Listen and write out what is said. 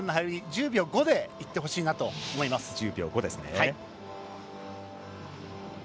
１０秒５でいってほしいと思います。